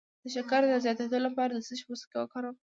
د شکر د زیاتیدو لپاره د څه شي پوستکی وکاروم؟